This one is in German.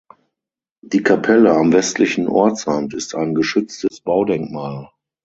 Die Kapelle am westlichen Ortsrand ist ein geschütztes Baudenkmal.